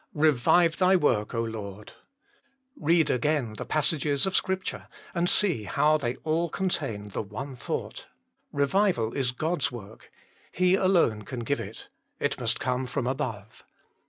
Eevive Thy work, Lord I " Eead again the passages of Scripture, and see how they all contain the one thought : Eevival is God s work ; He alone can give it ; it must come from above.